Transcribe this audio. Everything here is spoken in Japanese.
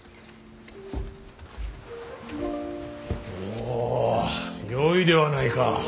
おおよいではないか。